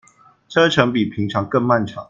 車程比平常更漫長